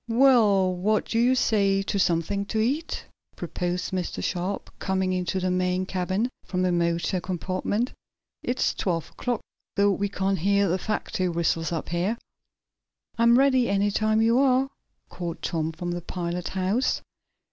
"Well, what do you say to something to eat?" proposed Mr. Sharp, coming into the main cabin, from the motor compartment. "It's twelve o'clock, though we can't hear the factory whistles up, here." "I'm ready, any time you are," called Tom, from the pilot house.